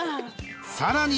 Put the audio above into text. ［さらに］